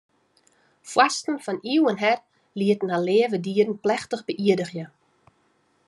Foarsten fan iuwen her lieten har leave dieren plechtich beïerdigje.